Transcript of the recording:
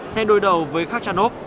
sẽ đối đầu với khachanov